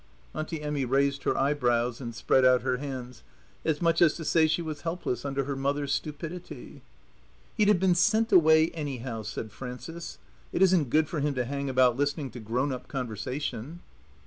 Auntie Emmy raised her eyebrows and spread out her hands, as much as to say she was helpless under her mother's stupidity. "He'd have been sent away anyhow," said Frances. "It isn't good for him to hang about listening to grown up conversation."